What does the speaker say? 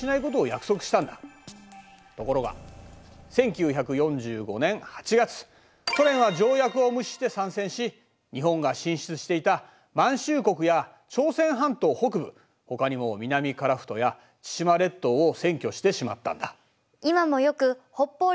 ところが１９４５年８月ソ連は条約を無視して参戦し日本が進出していた満州国や朝鮮半島北部ほかにも南樺太や千島列島を占拠してしまったんだ。